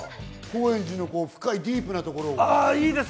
高円寺の深いディープなところを。